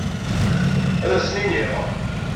Ad asen-iniɣ.